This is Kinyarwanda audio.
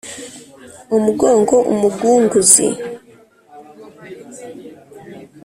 umugongo umugunguzi.